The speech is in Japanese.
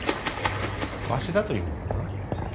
わしだと言うのかな。